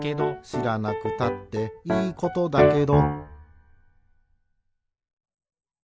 「しらなくたっていいことだけど」